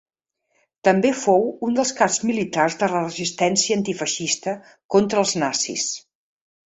També Fou un dels caps militars de la resistència antifeixista contra els nazis.